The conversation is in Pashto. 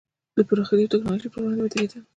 د پراخېدونکې ټکنالوژۍ پر وړاندې ودرېدل.